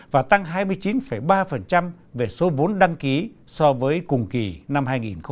và tăng hai mươi chín ba về số vốn đăng ký so với cùng kỳ năm hai nghìn một mươi tám